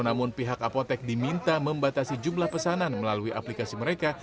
namun pihak apotek diminta membatasi jumlah pesanan melalui aplikasi mereka